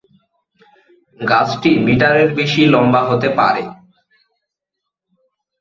গাছটি মিটারের বেশি লম্বা হতে পারে।